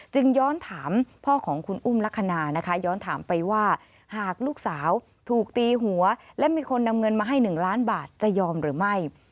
ย้อนถามพ่อของคุณอุ้มลักษณะนะคะย้อนถามไปว่าหากลูกสาวถูกตีหัวและมีคนนำเงินมาให้๑ล้านบาทจะยอมหรือไม่